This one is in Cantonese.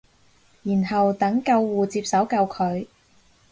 然後等救護接手救佢